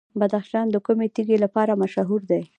بدخشان د کومې تیږې لپاره مشهور دی؟